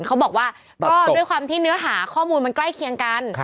เขาบอกว่าก็ด้วยความที่เนื้อหาข้อมูลมันใกล้เคียงกัน